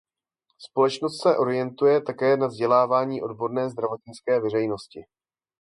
Společnost se orientuje také na vzdělávání odborné zdravotnické veřejnosti.